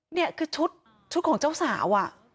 นี่คือชุดของเจ้าสาว